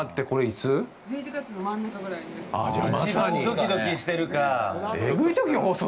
一番ドキドキしてるか。